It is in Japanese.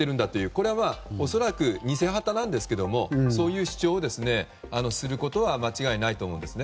これは恐らく偽旗なんですがそういう主張をすることは間違いないと思います。